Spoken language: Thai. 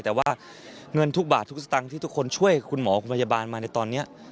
แต่ว่าเงินทุกบาททุกสตางค์ที่ทุกคนช่วยคุณหมอคุณพยาบาลมาในตอนนี้